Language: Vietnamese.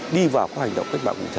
đi vào khóa hành động cách mạng cụ thể